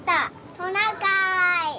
トナカーイ。